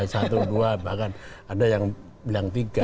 satu dua bahkan ada yang bilang tiga